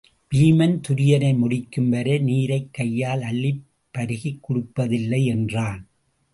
வீமன் துரியனை முடிக்கும் வரை நீரைக் கையால் அள்ளிப் பருகிக் குடிப்பதில்லை என்றான்.